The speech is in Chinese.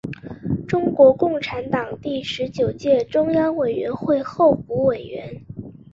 中国共产党第十九届中央委员会候补委员。